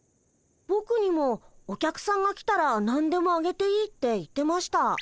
ぼくにもお客さんが来たらなんでもあげていいって言ってました。